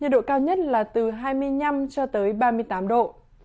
nhiệt độ cao nhất là từ hai mươi năm cho tới ba mươi tám độ